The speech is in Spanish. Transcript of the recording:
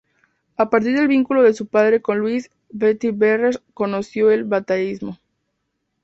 A partir del vínculo de su padre con Luis Batlle Berres, conoció el batllismo.